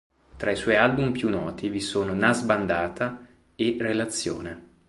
Tra i suoi album più noti vi sono: "Na sbandata" e "Relazione".